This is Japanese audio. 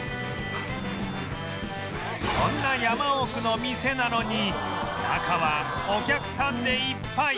こんな山奥の店なのに中はお客さんでいっぱい